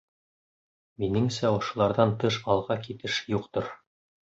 Минеңсә, ошоларҙан тыш алға китеш юҡтыр.